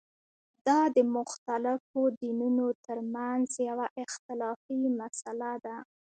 دا د مختلفو دینونو ترمنځه یوه اختلافي مسله ده.